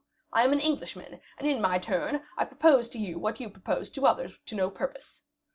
I am an Englishman, and, in my turn, I propose to you what you proposed to others to no purpose.